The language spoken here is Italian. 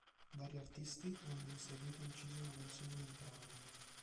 Vari artisti hanno in seguito inciso una versione del brano.